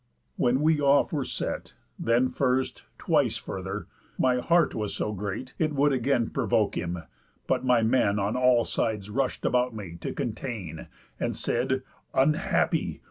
When we off were set, (Then first, twice further) my heart was so great, It would again provoke him, but my men On all sides rush'd about me, to contain, And said: 'Unhappy!